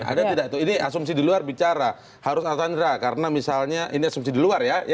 ada tidak tuh ini asumsi di luar bicara harus arsandra karena misalnya ini asumsi di luar ya